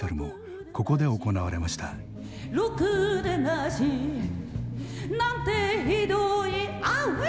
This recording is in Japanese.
「ろくでなしなんてひどいオーウィ！